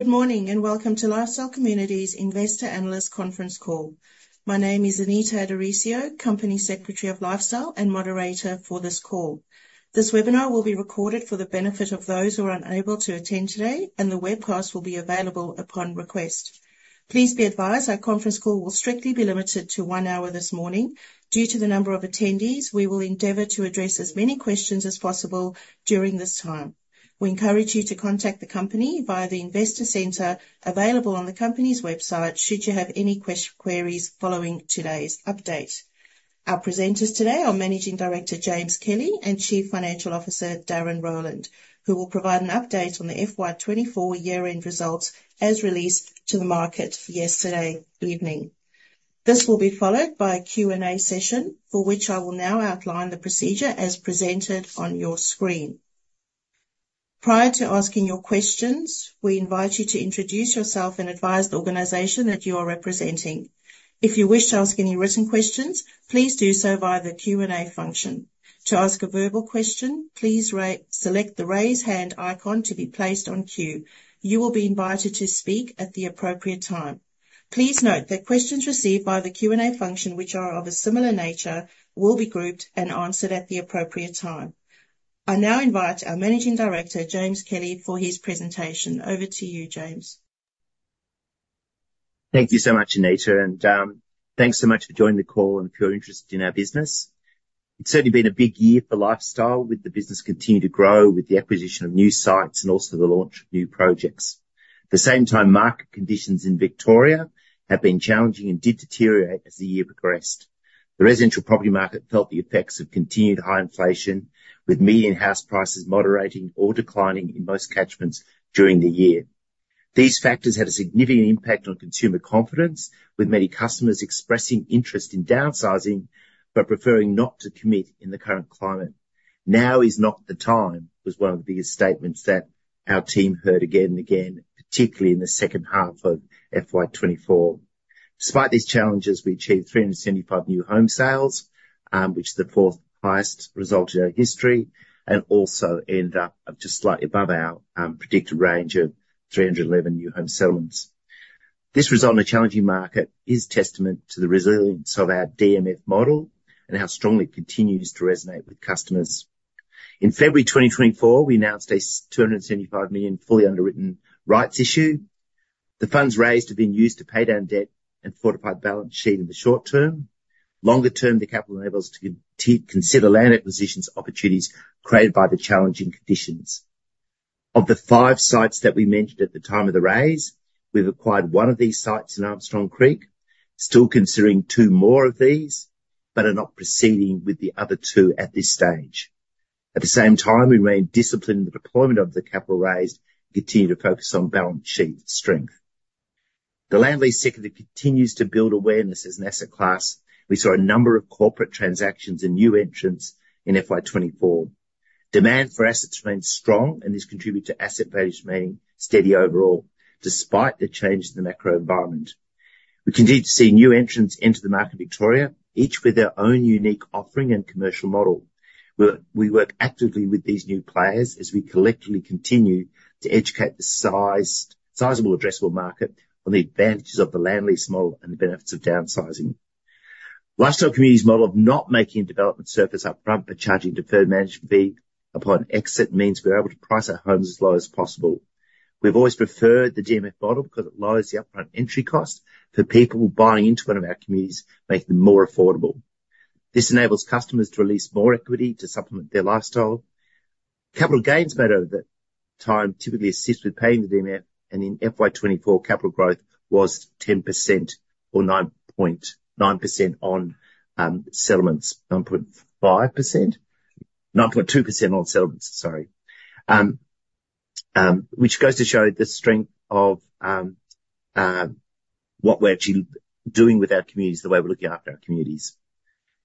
Good morning, and welcome to Lifestyle Communities investor analyst conference call. My name is Anita Addorisio, Company Secretary of Lifestyle and moderator for this call. This webinar will be recorded for the benefit of those who are unable to attend today, and the webcast will be available upon request. Please be advised, our conference call will strictly be limited to one hour this morning. Due to the number of attendees, we will endeavor to address as many questions as possible during this time. We encourage you to contact the company via the Investor Centre available on the company's website, should you have any queries following today's update. Our presenters today are Managing Director, James Kelly, and Chief Financial Officer, Darren Rowland, who will provide an update on the FY 2024 year-end results as released to the market yesterday evening. This will be followed by a Q&A session, for which I will now outline the procedure as presented on your screen. Prior to asking your questions, we invite you to introduce yourself and advise the organization that you are representing. If you wish to ask any written questions, please do so via the Q&A function. To ask a verbal question, please select the Raise Hand icon to be placed on queue. You will be invited to speak at the appropriate time. Please note that questions received by the Q&A function, which are of a similar nature, will be grouped and answered at the appropriate time. I now invite our Managing Director, James Kelly, for his presentation. Over to you, James. Thank you so much, Anita, and thanks so much for joining the call and for your interest in our business. It's certainly been a big year for Lifestyle, with the business continuing to grow, with the acquisition of new sites and also the launch of new projects. At the same time, market conditions in Victoria have been challenging and did deteriorate as the year progressed. The residential property market felt the effects of continued high inflation, with median house prices moderating or declining in most catchments during the year. These factors had a significant impact on consumer confidence, with many customers expressing interest in downsizing, but preferring not to commit in the current climate. "Now is not the time," was one of the biggest statements that our team heard again and again, particularly in the second half of FY 2024. Despite these challenges, we achieved 375 new home sales, which is the fourth highest result in our history, and also ended up just slightly above our predicted range of 311 new home settlements. This result in a challenging market is testament to the resilience of our DMF model and how strongly it continues to resonate with customers. In February 2024, we announced a 275 million fully underwritten rights issue. The funds raised have been used to pay down debt and fortify the balance sheet in the short term. Longer term, the capital enables us to consider land acquisitions opportunities created by the challenging conditions. Of the five sites that we mentioned at the time of the raise, we've acquired one of these sites in Armstrong Creek, still considering two more of these, but are not proceeding with the other two at this stage. At the same time, we remain disciplined in the deployment of the capital raised and continue to focus on balance sheet strength. The land lease sector continues to build awareness as an asset class. We saw a number of corporate transactions and new entrants in FY 2024. Demand for assets remained strong, and this contributed to asset values remaining steady overall, despite the change in the macro environment. We continue to see new entrants into the market in Victoria, each with their own unique offering and commercial model. We work actively with these new players as we collectively continue to educate the sizable addressable market on the advantages of the land lease model and the benefits of downsizing. Lifestyle Communities' model of not making a development surplus upfront, but charging deferred management fee upon exit, means we're able to price our homes as low as possible. We've always preferred the DMF model because it lowers the upfront entry cost for people buying into one of our communities, making them more affordable. This enables customers to release more equity to supplement their lifestyle. Capital gains made over the time typically assists with paying the DMF, and in FY 2024, capital growth was 10% or 9.9% on settlements. 9.5%? 9.2% on settlements, sorry. which goes to show the strength of what we're actually doing with our communities, the way we're looking after our communities.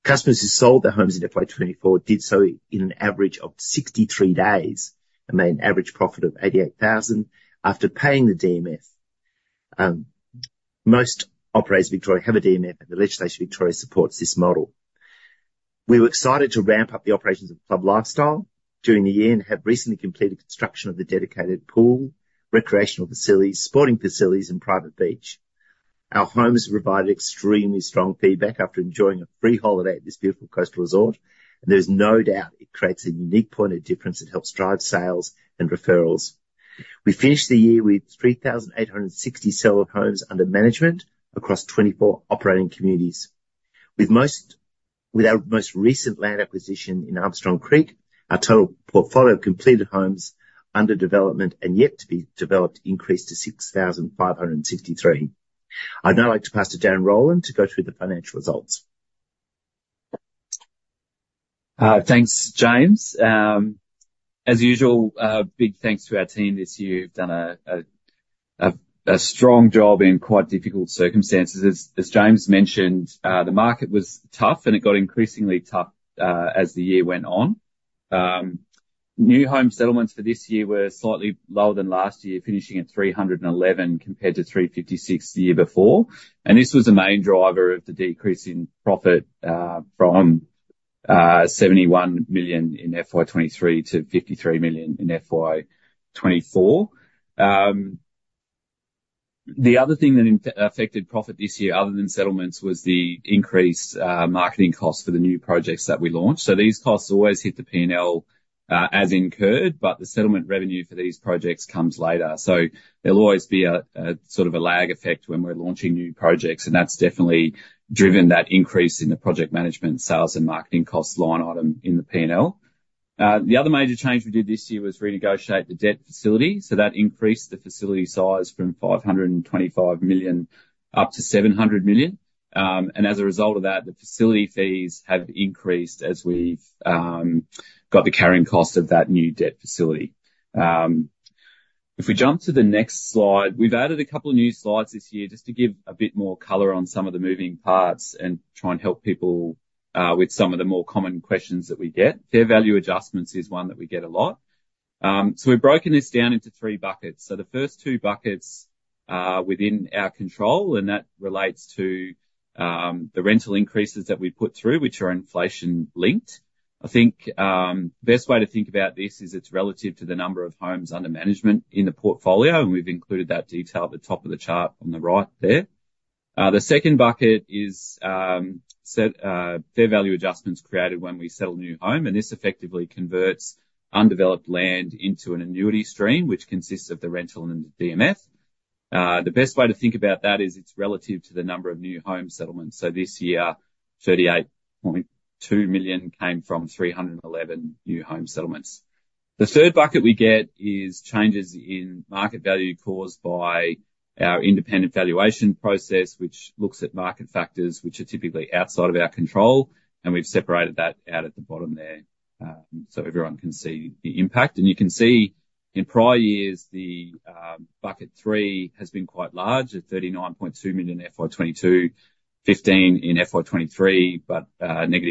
Customers who sold their homes in FY 2024 did so in an average of 63 days, and made an average profit of 88,000 after paying the DMF. Most operators in Victoria have a DMF, and the legislation in Victoria supports this model. We were excited to ramp up the operations of Club Lifestyle during the year, and have recently completed construction of the dedicated pool, recreational facilities, sporting facilities, and private beach. Our homes provided extremely strong feedback after enjoying a free holiday at this beautiful coastal resort, and there's no doubt it creates a unique point of difference that helps drive sales and referrals. We finished the year with 3,860 sold homes under management across 24 operating communities. With our most recent land acquisition in Armstrong Creek, our total portfolio of completed homes under development and yet to be developed increased to 6,563. I'd now like to pass to Darren Rowland to go through the financial results. Thanks, James. As usual, big thanks to our team this year. You've done a strong job in quite difficult circumstances. As James mentioned, the market was tough, and it got increasingly tough as the year went on. New home settlements for this year were slightly lower than last year, finishing at 311 compared to 356 the year before, and this was the main driver of the decrease in profit from 71 million in FY 2023 to 53 million in FY 2024. The other thing that affected profit this year, other than settlements, was the increased marketing costs for the new projects that we launched. So these costs always hit the P&L as incurred, but the settlement revenue for these projects comes later. So there'll always be a sort of a lag effect when we're launching new projects, and that's definitely driven that increase in the project management, sales, and marketing cost line item in the P&L. The other major change we did this year was renegotiate the debt facility, so that increased the facility size from 525 million up to 700 million. And as a result of that, the facility fees have increased as we've got the carrying cost of that new debt facility. If we jump to the next slide, we've added a couple new slides this year just to give a bit more color on some of the moving parts and try and help people with some of the more common questions that we get. Fair value adjustments is one that we get a lot. So we've broken this down into three buckets. So the first two buckets are within our control, and that relates to the rental increases that we put through, which are inflation-linked. I think the best way to think about this is it's relative to the number of homes under management in the portfolio, and we've included that detail at the top of the chart on the right there. The second bucket is asset fair value adjustments created when we sell a new home, and this effectively converts undeveloped land into an annuity stream, which consists of the rental and DMF. The best way to think about that is it's relative to the number of new home settlements. So this year, 38.2 million came from 311 new home settlements. The third bucket we get is changes in market value caused by our independent valuation process, which looks at market factors, which are typically outside of our control, and we've separated that out at the bottom there, so everyone can see the impact. You can see in prior years, the bucket three has been quite large, at 39.2 million in FY 2022, 15 million in FY 2023, but -4 million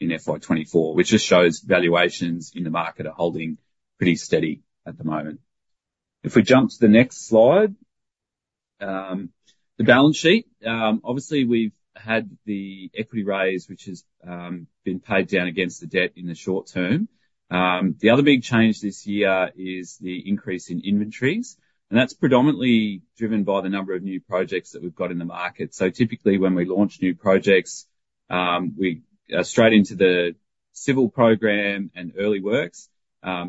in FY 2024, which just shows valuations in the market are holding pretty steady at the moment. If we jump to the next slide, the balance sheet. Obviously, we've had the equity raise, which has been paid down against the debt in the short term. The other big change this year is the increase in inventories, and that's predominantly driven by the number of new projects that we've got in the market. So typically, when we launch new projects, straight into the civil program and early works.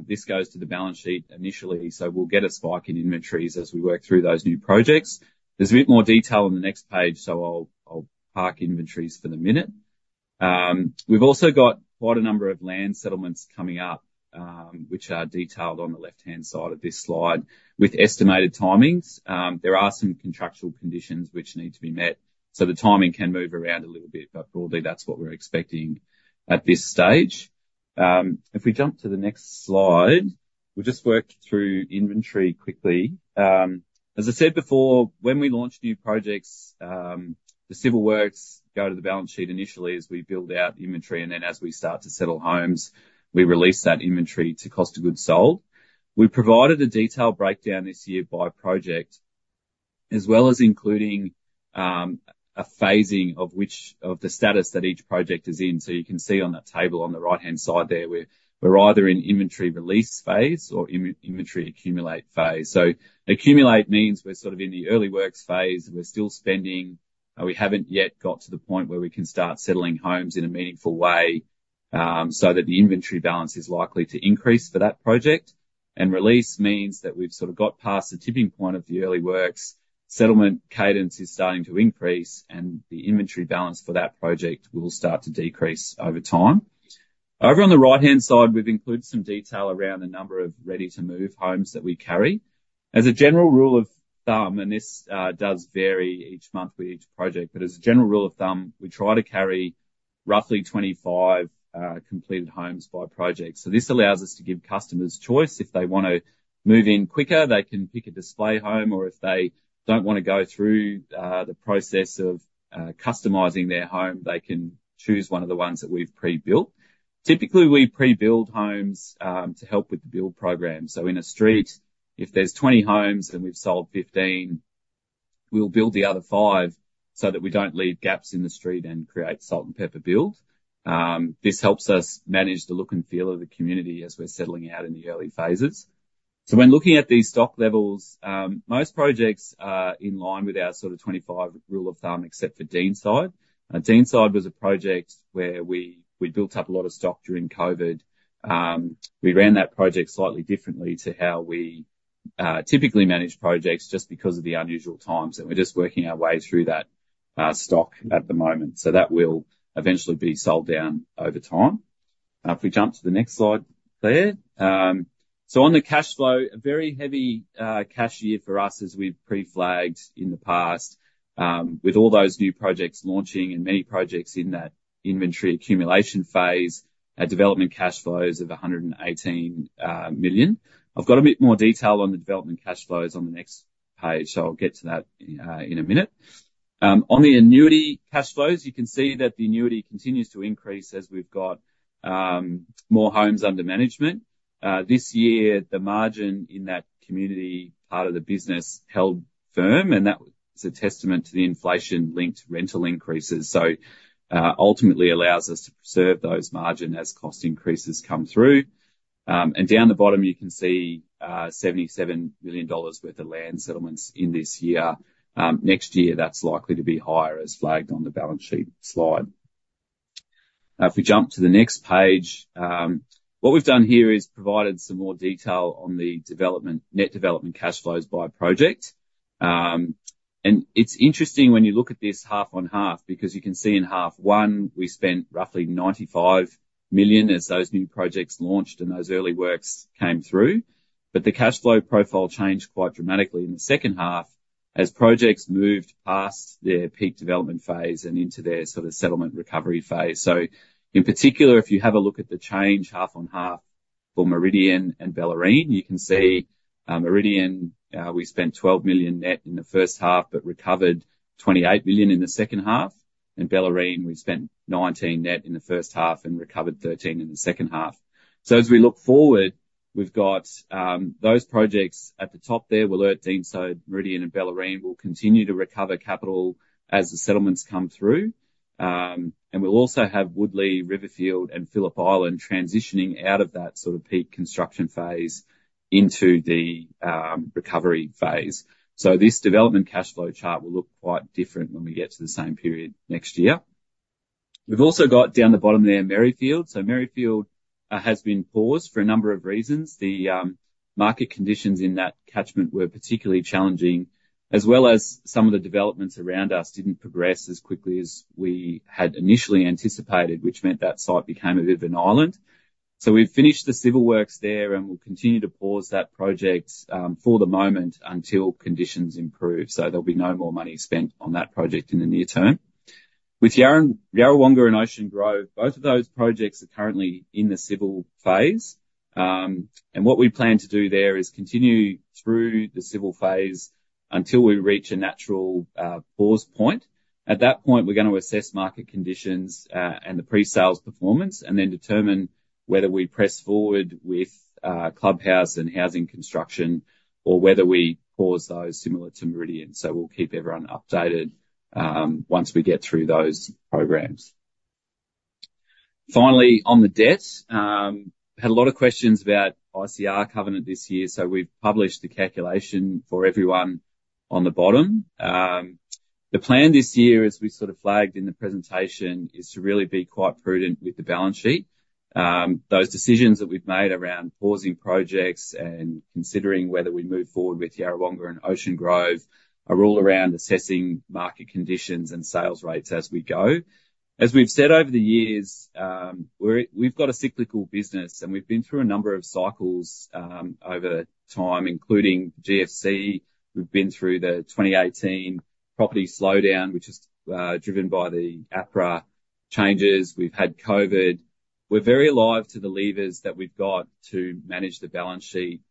This goes to the balance sheet initially, so we'll get a spike in inventories as we work through those new projects. There's a bit more detail on the next page, so I'll park inventories for the minute. We've also got quite a number of land settlements coming up, which are detailed on the left-hand side of this slide with estimated timings. There are some contractual conditions which need to be met, so the timing can move around a little bit, but broadly, that's what we're expecting at this stage. If we jump to the next slide, we'll just work through inventory quickly. As I said before, when we launch new projects, the civil works go to the balance sheet initially as we build out inventory, and then as we start to settle homes, we release that inventory to cost of goods sold. We provided a detailed breakdown this year by project, as well as including a phasing of the status that each project is in. So you can see on that table on the right-hand side there, we're either in inventory release phase or in inventory accumulate phase. So accumulate means we're sort of in the early works phase. We're still spending, we haven't yet got to the point where we can start settling homes in a meaningful way, so that the inventory balance is likely to increase for that project and release means that we've sort of got past the tipping point of the early works. Settlement cadence is starting to increase, and the inventory balance for that project will start to decrease over time. Over on the right-hand side, we've included some detail around the number of ready-to-move homes that we carry. As a general rule of thumb, and this does vary each month with each project, but as a general rule of thumb, we try to carry roughly 25 completed homes by project. So this allows us to give customers choice. If they want to move in quicker, they can pick a display home, or if they don't want to go through the process of customizing their home, they can choose one of the ones that we've pre-built. Typically, we pre-build homes to help with the build program. So in a street, if there's 20 homes and we've sold 15, we'll build the other five so that we don't leave gaps in the street and create salt and pepper build. This helps us manage the look and feel of the community as we're settling out in the early phases. So when looking at these stock levels, most projects are in line with our sort of 25 rule of thumb, except for Deanside. Deanside was a project where we built up a lot of stock during COVID. We ran that project slightly differently to how we typically manage projects just because of the unusual times, and we're just working our way through that stock at the moment, so that will eventually be sold down over time. Now, if we jump to the next slide there. So on the cash flow, a very heavy cash year for us as we've pre-flagged in the past. With all those new projects launching and many projects in that inventory accumulation phase, our development cash flows of 118 million. I've got a bit more detail on the development cash flows on the next page, so I'll get to that, in a minute. On the annuity cash flows, you can see that the annuity continues to increase as we've got more homes under management. This year, the margin in that community, part of the business, held firm, and that is a testament to the inflation-linked rental increases. So, ultimately allows us to preserve those margin as cost increases come through. And down the bottom, you can see, 77 million dollars worth of land settlements in this year. Next year, that's likely to be higher, as flagged on the balance sheet slide. Now, if we jump to the next page, what we've done here is provided some more detail on the development net development cash flows by project. It's interesting when you look at this half on half, because you can see in half one, we spent roughly 95 million as those new projects launched, and those early works came through, but the cash flow profile changed quite dramatically in the second half as projects moved past their peak development phase and into their sort of settlement recovery phase. So in particular, if you have a look at the change half on half for Meridian and Bellarine, you can see, Meridian, we spent 12 million net in the first half, but recovered 28 million in the second half. In Bellarine, we spent 19 million net in the first half and recovered 13 million in the second half. So as we look forward, we've got, those projects at the top there, Wollert, Deanside, Meridian, and Bellarine, will continue to recover capital as the settlements come through. And we'll also have Woodlea, Riverfield, and Phillip Island transitioning out of that sort of peak construction phase into the recovery phase. So this development cash flow chart will look quite different when we get to the same period next year. We've also got down the bottom there, Merrifield. So Merrifield has been paused for a number of reasons. The market conditions in that catchment were particularly challenging, as well as some of the developments around us didn't progress as quickly as we had initially anticipated, which meant that site became a bit of an island. So we've finished the civil works there, and we'll continue to pause that project for the moment until conditions improve. So there'll be no more money spent on that project in the near term. With Yarrawonga and Ocean Grove, both of those projects are currently in the civil phase. And what we plan to do there is continue through the civil phase until we reach a natural pause point. At that point, we're gonna assess market conditions, and the pre-sales performance, and then determine whether we press forward with clubhouse and housing construction, or whether we pause those similar to Merrifield. So we'll keep everyone updated once we get through those programs. Finally, on the debt, had a lot of questions about ICR covenant this year, so we've published the calculation for everyone on the bottom. The plan this year, as we sort of flagged in the presentation, is to really be quite prudent with the balance sheet. Those decisions that we've made around pausing projects and considering whether we move forward with Yarrawonga and Ocean Grove are all around assessing market conditions and sales rates as we go. As we've said over the years, we've got a cyclical business, and we've been through a number of cycles over time, including GFC. We've been through the 2018 property slowdown, which was driven by the APRA changes. We've had COVID. We're very alive to the levers that we've got to manage the balance sheet.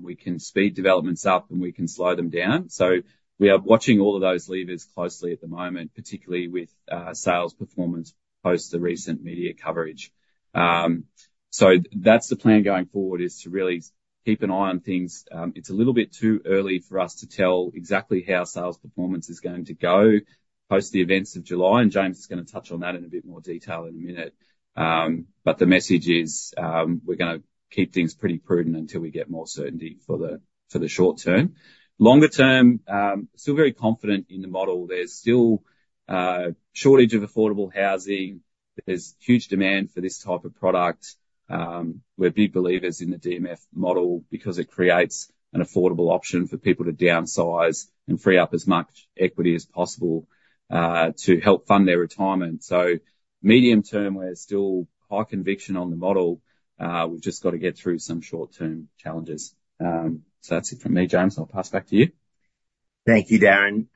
We can speed developments up, and we can slow them down. So we are watching all of those levers closely at the moment, particularly with sales performance post the recent media coverage. So that's the plan going forward, is to really keep an eye on things. It's a little bit too early for us to tell exactly how sales performance is going to go post the events of July, and James is gonna touch on that in a bit more detail in a minute. But the message is, we're gonna keep things pretty prudent until we get more certainty for the, for the short term. Longer term, still very confident in the model. There's still, shortage of affordable housing. There's huge demand for this type of product. We're big believers in the DMF model because it creates an affordable option for people to downsize and free up as much equity as possible, to help fund their retirement. So medium term, we're still high conviction on the model. We've just got to get through some short-term challenges. So that's it from me. James, I'll pass back to you. Thank you, Darren.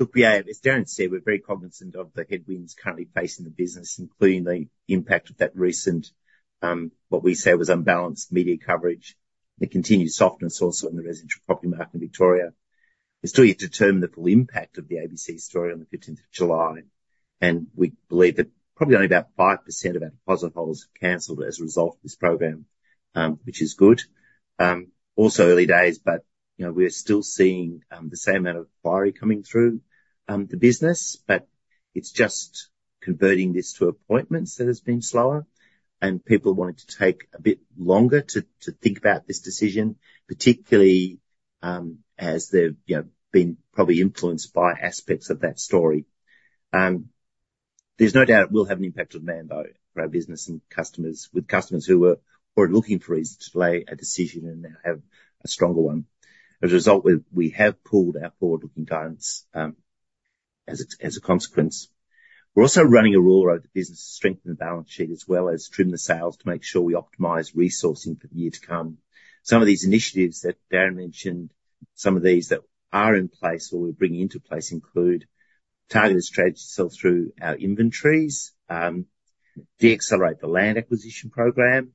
Look, we are, as Darren said, we're very cognizant of the headwinds currently facing the business, including the impact of that recent, what we say was unbalanced media coverage, the continued softness also in the residential property market in Victoria. We still yet to determine the full impact of the ABC story on the fifteenth of July, and we believe that probably only about 5% of our deposit holders have canceled as a result of this program, which is good. Also early days, but, you know, we're still seeing, the same amount of inquiry coming through, the business, but it's just converting this to appointments that has been slower and people wanting to take a bit longer to think about this decision, particularly, as they've, you know, been probably influenced by aspects of that story. There's no doubt it will have an impact on demand, though, for our business and customers with customers who were looking for a reason to delay a decision and now have a stronger one. As a result, we have pulled our forward-looking guidance, as a consequence. We're also running a rule over the business to strengthen the balance sheet as well as trim the sails to make sure we optimize resourcing for the year to come. Some of these initiatives that Darren mentioned, some of these that are in place or we're bringing into place, include targeted strategy sell-through our inventories, de-accelerate the land acquisition program,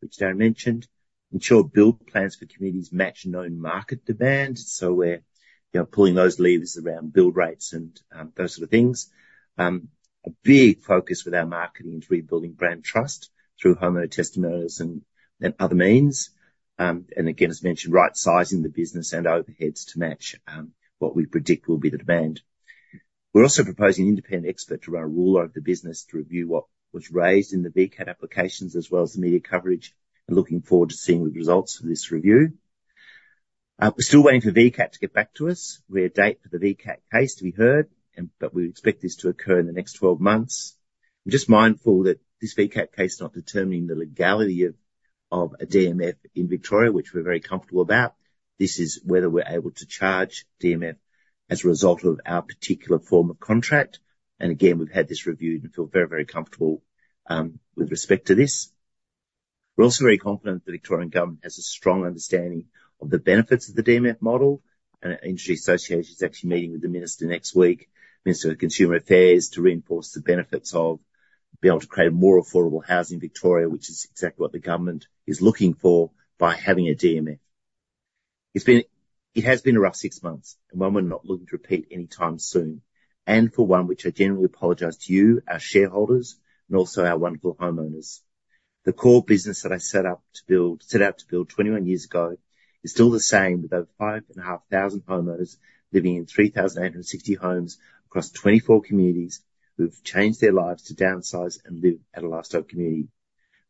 which Darren mentioned, ensure build plans for communities match known market demand. So we're, you know, pulling those levers around build rates and, those sort of things. A big focus with our marketing is rebuilding brand trust through homeowner testimonials and other means. And again, as mentioned, right-sizing the business and overheads to match what we predict will be the demand. We're also proposing an independent expert to run a rule over the business to review what was raised in the VCAT applications as well as the media coverage, and looking forward to seeing the results of this review. We're still waiting for VCAT to get back to us re a date for the VCAT case to be heard, but we expect this to occur in the next 12 months. We're just mindful that this VCAT case is not determining the legality of a DMF in Victoria, which we're very comfortable about. This is whether we're able to charge DMF as a result of our particular form of contract, and again, we've had this reviewed and feel very, very comfortable with respect to this. We're also very confident the Victorian government has a strong understanding of the benefits of the DMF model, and our industry association is actually meeting with the minister next week, Minister of Consumer Affairs, to reinforce the benefits of being able to create a more affordable housing in Victoria, which is exactly what the government is looking for by having a DMF. It has been a rough six months, and one we're not looking to repeat anytime soon, and for one, which I genuinely apologize to you, our shareholders, and also our wonderful homeowners. The core business that I set out to build 21 years ago is still the same, with over 5,500 homeowners living in 3,860 homes across 24 communities, who have changed their lives to downsize and live at a Lifestyle community.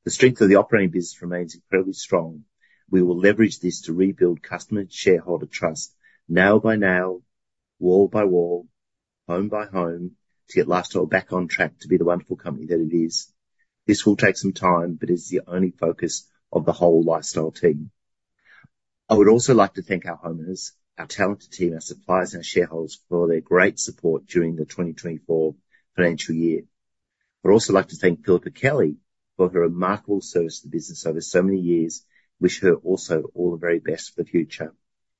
The strength of the operating business remains incredibly strong. We will leverage this to rebuild customer and shareholder trust nail by nail, wall by wall, home by home, to get Lifestyle back on track to be the wonderful company that it is. This will take some time, but is the only focus of the whole Lifestyle team. I would also like to thank our homeowners, our talented team, our suppliers, and our shareholders for all their great support during the 2024 financial year. I'd also like to thank Philippa Kelly for her remarkable service to the business over so many years. Wish her also all the very best for the future.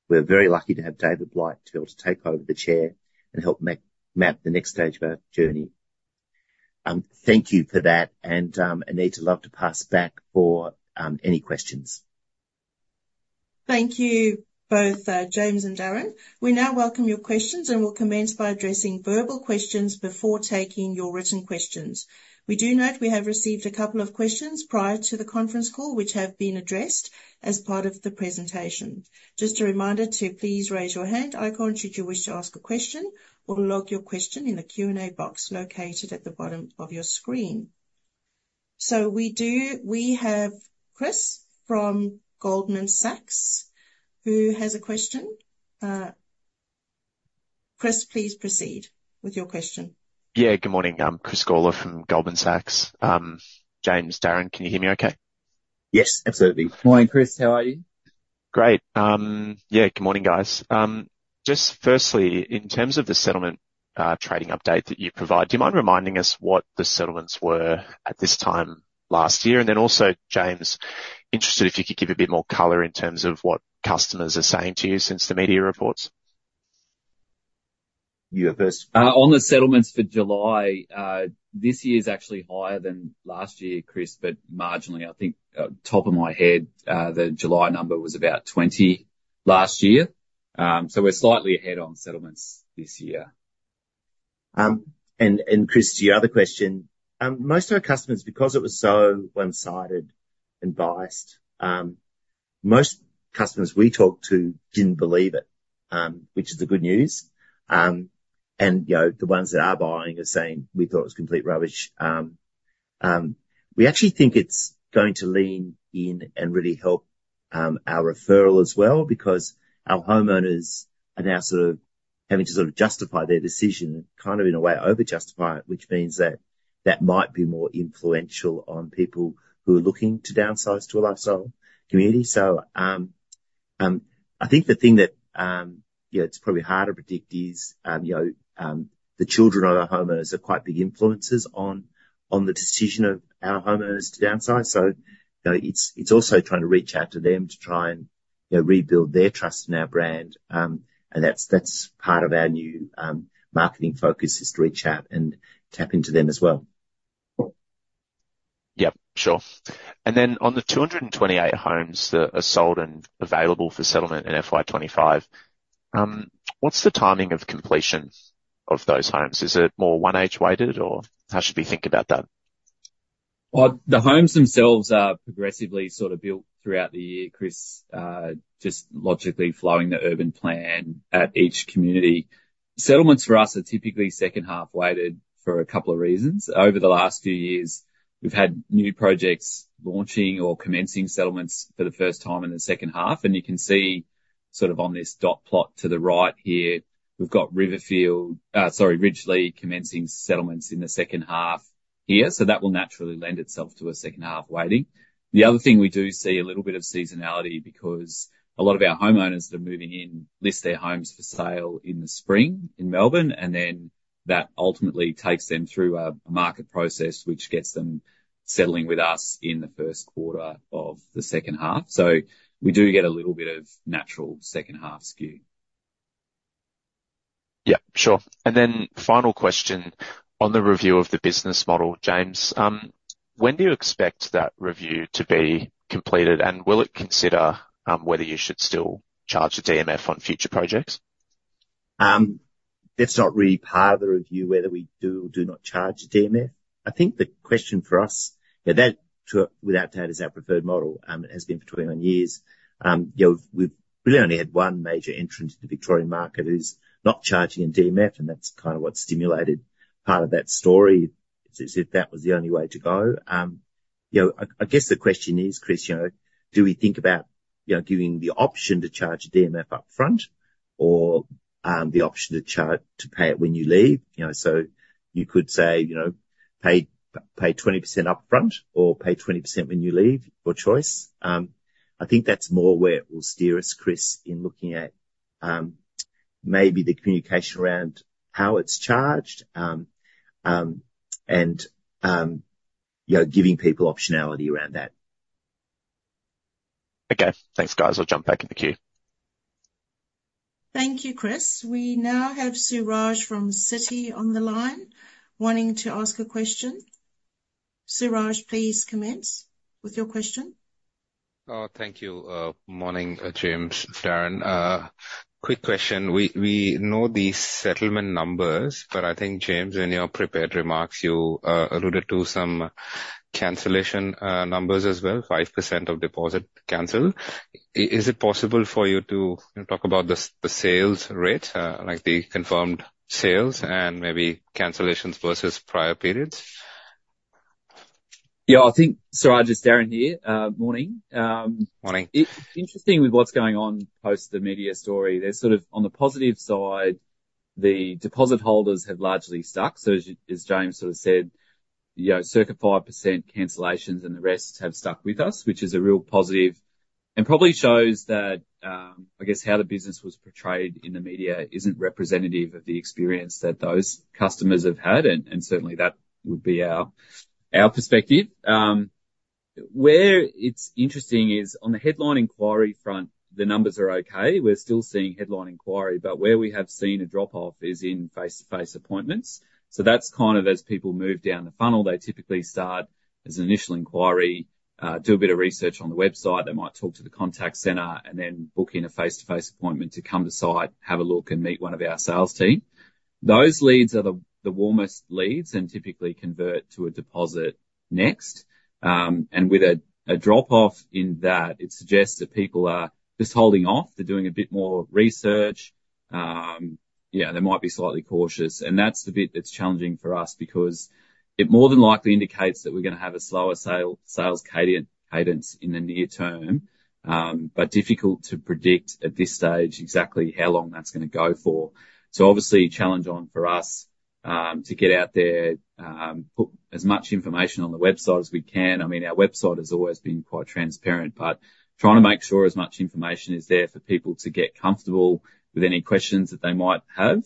We're very lucky to have David Blight to be able to take over the chair and help map the next stage of our journey. Thank you for that, and, Anita, I'd love to pass back for any questions. Thank you, both, James and Darren. We now welcome your questions and will commence by addressing verbal questions before taking your written questions. We do note we have received a couple of questions prior to the conference call, which have been addressed as part of the presentation. Just a reminder to please raise your hand icon, should you wish to ask a question, or log your question in the Q&A box located at the bottom of your screen. We have Chris from Goldman Sachs, who has a question. Chris, please proceed with your question. Yeah, good morning. I'm Chris Gawler from Goldman Sachs. James, Darren, can you hear me okay? Yes, absolutely. Morning, Chris. How are you? Great. Yeah, good morning, guys. Just firstly, in terms of the settlement trading update that you provide, do you mind reminding us what the settlements were at this time last year? And then also, James, interested if you could give a bit more color in terms of what customers are saying to you since the media reports. You first. On the settlements for July, this year is actually higher than last year, Chris, but marginally. I think, top of my head, the July number was about 20 last year. So we're slightly ahead on settlements this year. And, and Chris, to your other question, most of our customers, because it was so one-sided and biased, most customers we talked to didn't believe it, which is the good news. And, you know, the ones that are buying are saying: We thought it was complete rubbish. We actually think it's going to lean in and really help our referral as well, because our homeowners are now sort of having to sort of justify their decision, and kind of in a way, over-justify it, which means that that might be more influential on people who are looking to downsize to a lifestyle community. So, I think the thing that, you know, it's probably hard to predict is, you know, the children of our homeowners are quite big influencers on, on the decision of our homeowners to downsize. So, you know, it's also trying to reach out to them to try and, you know, rebuild their trust in our brand. And that's part of our new marketing focus, is to reach out and tap into them as well. Yep, sure. And then on the 228 homes that are sold and available for settlement in FY 2025, what's the timing of completion of those homes? Is it more one-sided weighted, or how should we think about that? Well, the homes themselves are progressively sort of built throughout the year, Chris, just logically following the urban plan at each community. Settlements for us are typically second half weighted for a couple of reasons. Over the last few years, we've had new projects launching or commencing settlements for the first time in the second half, and you can see sort of on this dot plot to the right here, we've got Riverfield, Ridgelea commencing settlements in the second half here, so that will naturally lend itself to a second half weighting. The other thing, we do see a little bit of seasonality because a lot of our homeowners that are moving in list their homes for sale in the spring in Melbourne, and then that ultimately takes them through a market process, which gets them settling with us in the first quarter of the second half. We do get a little bit of natural second-half skew. Yeah, sure. And then final question on the review of the business model, James. When do you expect that review to be completed, and will it consider whether you should still charge the DMF on future projects? That's not really part of the review, whether we do or do not charge the DMF. I think the question for us, yeah, that without a doubt, is our preferred model. It has been for 21 years. You know, we've only had one major entrant into the Victorian market who's not charging a DMF, and that's kind of what stimulated part of that story, as if that was the only way to go. You know, I guess the question is, Chris, you know, do we think about, you know, giving the option to charge a DMF up front or the option to pay it when you leave? You know, so you could say, you know, "Pay 20% upfront or pay 20% when you leave," your choice. I think that's more where it will steer us, Chris, in looking at, maybe the communication around how it's charged, and, you know, giving people optionality around that. Okay. Thanks, guys. I'll jump back in the queue. Thank you, Chris. We now have Suraj from Citi on the line wanting to ask a question. Suraj, please commence with your question. Thank you. Morning, James, Darren. Quick question: we know the settlement numbers, but I think, James, in your prepared remarks, you alluded to some cancellation numbers as well, 5% of deposit canceled. Is it possible for you to, you know, talk about the sales rate, like the confirmed sales and maybe cancellations versus prior periods? Yeah, I think, Suraj, it's Darren here. Morning, Morning. Interesting with what's going on post the media story, there's sort of on the positive side, the deposit holders have largely stuck. So as James sort of said, you know, circa 5% cancellations and the rest have stuck with us, which is a real positive, and probably shows that, I guess how the business was portrayed in the media isn't representative of the experience that those customers have had, and certainly that would be our perspective. Where it's interesting is on the headline inquiry front, the numbers are okay. We're still seeing headline inquiry, but where we have seen a drop-off is in face-to-face appointments. So that's kind of as people move down the funnel, they typically start as an initial inquiry, do a bit of research on the website. They might talk to the contact center and then book in a face-to-face appointment to come to site, have a look, and meet one of our sales team. Those leads are the warmest leads and typically convert to a deposit next. And with a drop-off in that, it suggests that people are just holding off. They're doing a bit more research. Yeah, they might be slightly cautious, and that's the bit that's challenging for us because it more than likely indicates that we're gonna have a slower sales cadence in the near term, but difficult to predict at this stage exactly how long that's gonna go for. So obviously, a challenge on for us to get out there, put as much information on the website as we can. I mean, our website has always been quite transparent, but trying to make sure as much information is there for people to get comfortable with any questions that they might have.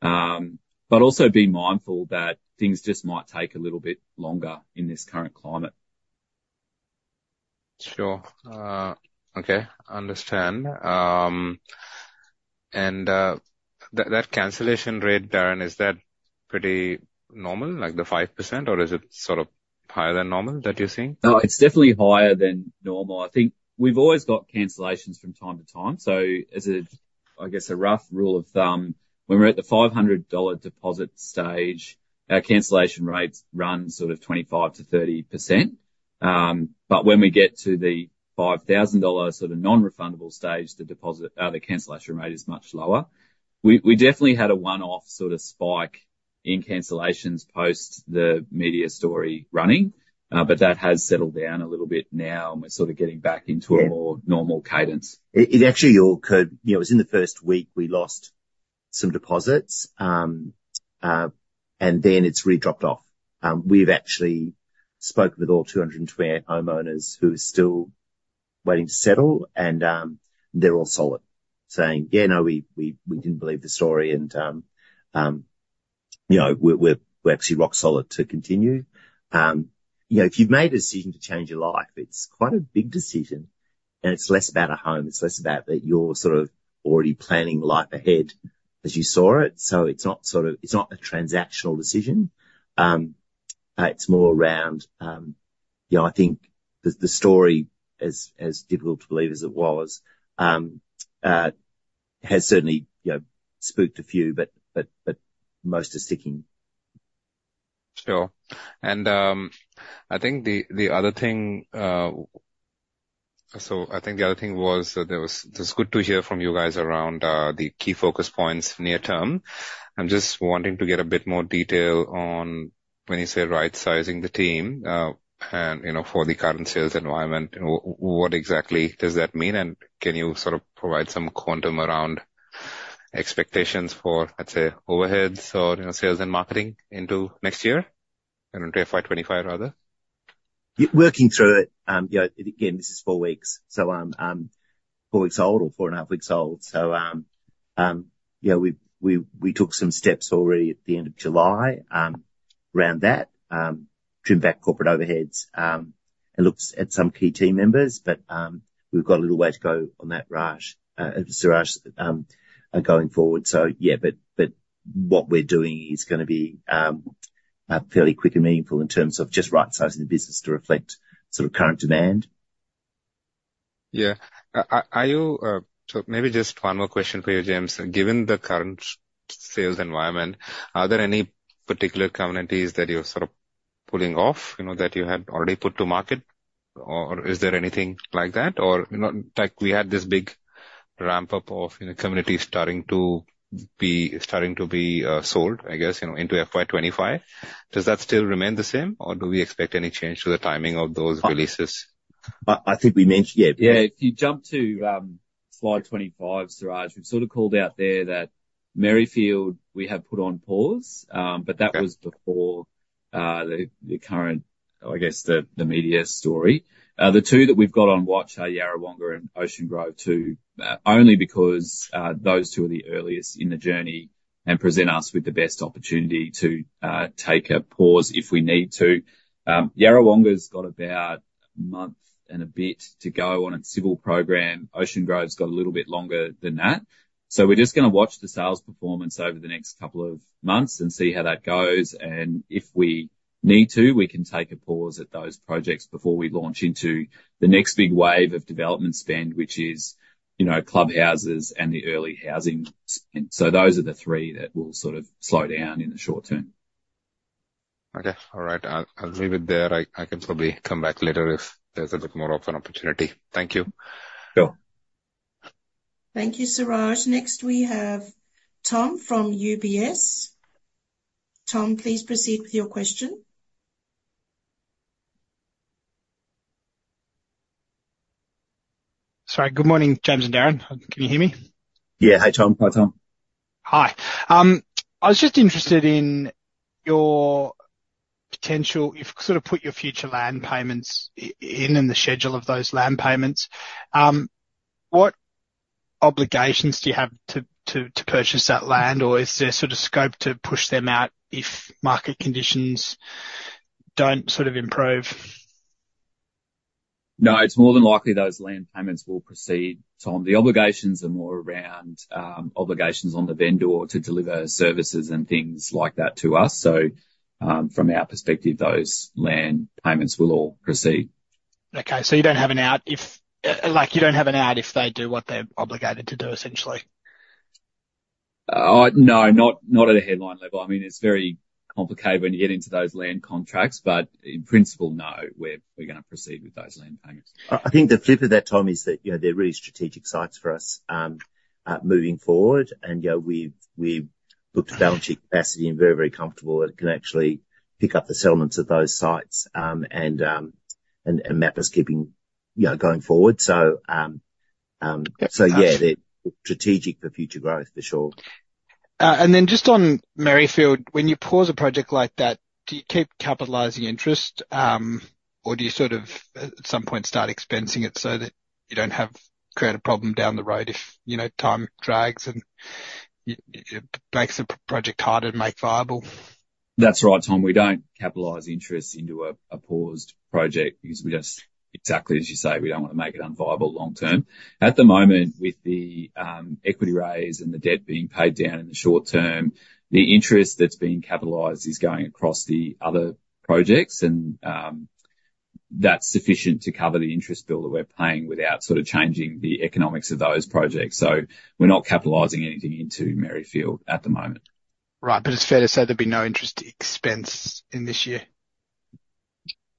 But also be mindful that things just might take a little bit longer in this current climate. Sure. Okay, understand. And that cancellation rate, Darren, is that pretty normal, like the 5%, or is it sort of higher than normal that you're seeing? No, it's definitely higher than normal. I think we've always got cancellations from time to time. So as a, I guess, a rough rule of thumb, when we're at the 500-dollar deposit stage, our cancellation rates run sort of 25%-30%. But when we get to the 5,000 dollar, sort of non-refundable stage, the deposit, the cancellation rate is much lower. We definitely had a one-off sort of spike in cancellations post the media story running, but that has settled down a little bit now, and we're sort of getting back into- Yeah... a more normal cadence. It actually all occurred. You know, it was in the first week, we lost some deposits, and then it's really dropped off. We've actually spoke with all 228 homeowners who are still waiting to settle, and they're all solid, saying, "Yeah, no, we didn't believe the story, and you know, we're actually rock solid to continue." You know, if you've made a decision to change your life, it's quite a big decision, and it's less about a home. It's less about that you're sort of already planning life ahead as you saw it. So it's not sort of—it's not a transactional decision. It's more around, you know, I think the story, as difficult to believe as it was, has certainly, you know, spooked a few, but most are sticking. Sure. And, I think the other thing... So I think the other thing was that it was, it's good to hear from you guys around the key focus points near term. I'm just wanting to get a bit more detail on when you say right-sizing the team, and, you know, for the current sales environment, what exactly does that mean? And can you sort of provide some quantum around expectations for, let's say, overheads or, you know, sales and marketing into next year, into FY 2025 rather? Yeah, working through it, you know, again, this is four weeks, so, four weeks old or four and a half weeks old. So, you know, we took some steps already at the end of July, around that, trimmed back corporate overheads and looks at some key team members, but, we've got a little way to go on that, Raj, Suraj, going forward. So yeah, but what we're doing is gonna be fairly quick and meaningful in terms of just right-sizing the business to reflect sort of current demand. Yeah. So maybe just one more question for you, James. Given the current sales environment, are there any particular communities that you're sort of pulling off, you know, that you had already put to market? Or is there anything like that? Or, you know, like, we had this big ramp-up of, you know, communities starting to be sold, I guess, you know, into FY 2025. Does that still remain the same, or do we expect any change to the timing of those releases? I think we mentioned, yeah- Yeah, if you jump to slide 25, Suraj, we've sort of called out there that Merrifield, we have put on pause. Okay. But that was before the current, I guess, the media story. The two that we've got on watch are Yarrawonga and Ocean Grove, too, only because those two are the earliest in the journey and present us with the best opportunity to take a pause if we need to. Yarrawonga's got about a month and a bit to go on its civil program. Ocean Grove's got a little bit longer than that. So we're just gonna watch the sales performance over the next couple of months and see how that goes. And if we need to, we can take a pause at those projects before we launch into the next big wave of development spend, which is, you know, clubhouses and the early housing. So those are the three that will sort of slow down in the short term. Okay. All right, I'll, I'll leave it there. I, I can probably come back later if there's a bit more of an opportunity. Thank you. Sure. Thank you, Suraj. Next, we have Tom from UBS. Tom, please proceed with your question. Sorry. Good morning, James and Darren. Can you hear me? Yeah. Hi, Tom. Hi, Tom. Hi. I was just interested in your potential... You've sort of put your future land payments in, and the schedule of those land payments. What obligations do you have to purchase that land? Or is there sort of scope to push them out if market conditions don't sort of improve? No, it's more than likely those land payments will proceed, Tom. The obligations are more around, obligations on the vendor to deliver services and things like that to us. So, from our perspective, those land payments will all proceed. Okay, so you don't have an out if... like, you don't have an out if they do what they're obligated to do, essentially? No, not at a headline level. I mean, it's very complicated when you get into those land contracts, but in principle, no, we're gonna proceed with those land payments. I think the flip of that, Tom, is that, you know, they're really strategic sites for us, moving forward. And, you know, we've looked at balancing capacity and very, very comfortable that it can actually pick up the settlements at those sites. And map us keeping, you know, going forward. So- Okay. So yeah, they're strategic for future growth, for sure. And then just on Merrifield, when you pause a project like that, do you keep capitalizing interest? Or do you sort of at some point start expensing it so that you don't have to create a problem down the road if, you know, time drags and you make the project hard to make viable? That's right, Tom. We don't capitalize interest into a paused project because we just... Exactly as you say, we don't want to make it unviable long term. At the moment, with the equity raise and the debt being paid down in the short term, the interest that's being capitalized is going across the other projects. And that's sufficient to cover the interest bill that we're paying without sort of changing the economics of those projects. So we're not capitalizing anything into Merrifield at the moment. Right. But it's fair to say there'll be no interest expense in this year?